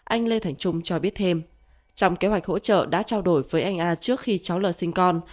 anh lê thành trung cho biết thêm trong kế hoạch hỗ trợ đã trao đổi với anh a trước khi cháu l sinh con